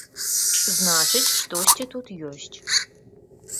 Значыць, штосьці тут ёсць.